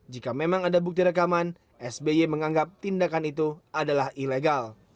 jika memang ada bukti rekaman sby menganggap tindakan itu adalah ilegal